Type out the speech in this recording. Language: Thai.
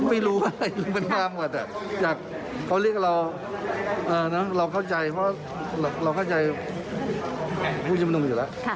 และพูดถึงกลับมากกว่าข้าวแห่งขึ้นจากประเทศแห่งป้องกับศิราสุริยานิดนึง